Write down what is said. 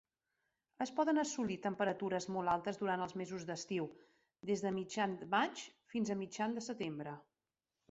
Es poden assolir temperatures molt altes durant els mesos d'estiu, des de mitjan maig fins a mitjan setembre.